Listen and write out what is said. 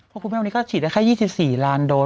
เพราะคุณแม่วันนี้ก็ฉีดได้แค่๒๔ล้านโดส